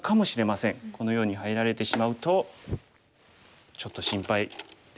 このように入られてしまうとちょっと心配ですかね。